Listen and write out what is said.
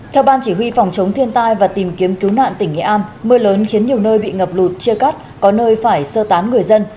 theo ban chỉ huy phòng chống thiên tai và tìm kiếm cứu nạn tỉnh nghệ an mưa lớn khiến nhiều nơi bị ngập lụt chia cắt có nơi phải sơ tán người dân